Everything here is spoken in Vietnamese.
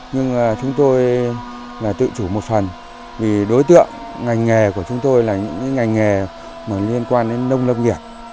nhưng chúng tôi là tự chủ một phần vì đối tượng ngành nghề của chúng tôi là những ngành nghề liên quan đến nông lâm nghiệp